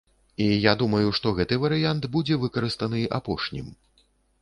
І я думаю, што гэты варыянт будзе выкарыстаны апошнім.